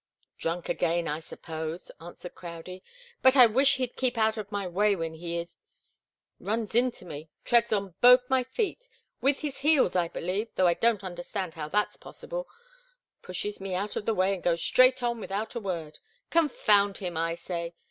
"Drunk again, I suppose," answered Crowdie. "But I wish he'd keep out of my way when he is runs into me, treads on both my feet with his heels, I believe, though I don't understand how that's possible pushes me out of the way and goes straight on without a word. Confound him, I say!